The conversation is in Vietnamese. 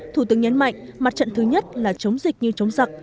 thủ tướng nhấn mạnh mặt trận thứ nhất là chống dịch như chống giặc